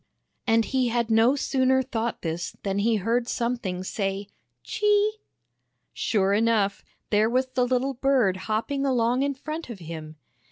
And he had no sooner thought this than he heard something say " Chee! " Sure enough, there was the little bird hopping along in front of him.